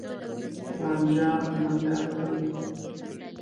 رانجه میده کړي